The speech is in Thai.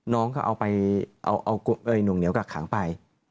น้องก็เอาไปเอาหน่วงเหนียวกักขังไป